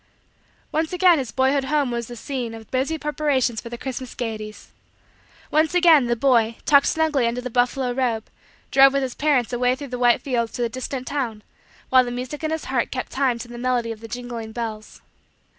Once again, his boyhood home was the scene of busy preparations for the Christmas gaieties. Once again, the boy, tucked snugly under the buffalo robe, drove with his parents away through the white fields to the distant town while the music in his heart kept time to the melody of the jingling bells.